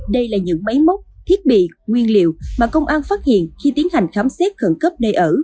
đây là những máy móc thiết bị nguyên liệu mà công an phát hiện khi tiến hành khám xét khẩn cấp nơi ở